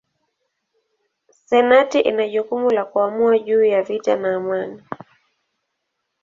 Senati ina jukumu la kuamua juu ya vita na amani.